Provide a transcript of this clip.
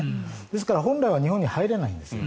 ですから本来は日本に入れないんです。